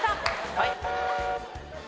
はい。